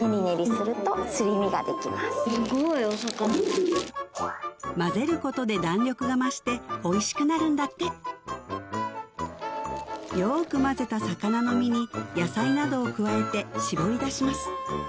すごいお魚混ぜることで弾力が増しておいしくなるんだってよく混ぜた魚の身に野菜などを加えて絞り出します